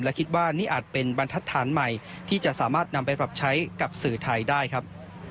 และคิดว่านี่อาจเป็นบรรทัศน์ใหม่ที่จะสามารถนำไปปรับใช้กับสื่อไทยได้ครับ